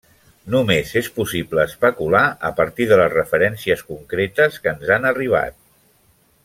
Només és possible especular a partir de les referències concretes que ens han arribat.